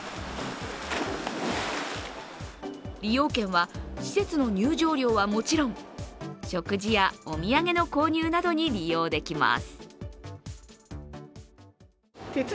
利用券は、施設の入場料はもちろん食事やお土産の購入などに利用できます。